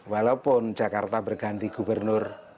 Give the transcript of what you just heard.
walaupun jakarta berganti gubernur